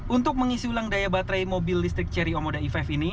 untuk mengisi ulang daya baterai mobil listrik cerio moda e lima ini